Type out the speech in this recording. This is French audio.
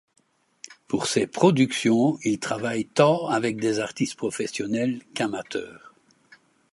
Pour ses productions il travaille tant avec des artistes professionnels qu'amateurs.